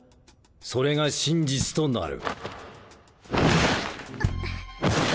それが真実となる。